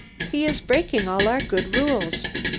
"He is breaking all our good rules.